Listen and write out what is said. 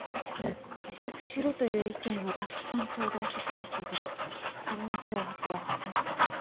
辞職しろという意見はたくさんちょうだいしてきましたけどこんな脅迫は初めてです。